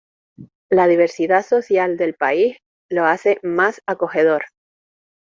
La diversidad social del país lo hace más acogedor.